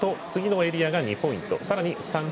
そのあと次のエリアが２ポイント